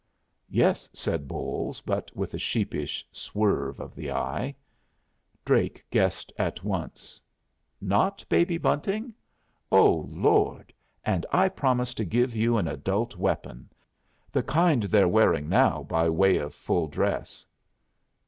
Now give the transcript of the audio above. "Yes," said Bolles, but with a sheepish swerve of the eye. Drake guessed at once. "Not Baby Bunting? Oh, Lord! and I promised to give you an adult weapon! the kind they're wearing now by way of full dress."